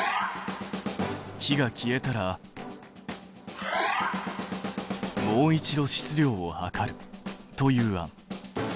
火が消えたらもう一度質量を量るという案。